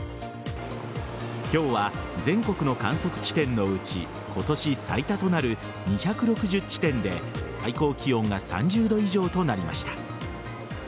今日は、全国の観測地点のうち今年最多となる２６０地点で最高気温が３０度以上となりました。